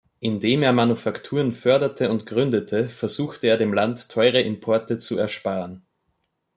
Indem er Manufakturen förderte und gründete, versuchte er dem Land teure Importe zu ersparen.